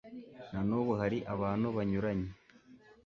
na n'ubu hari abantu banyuranye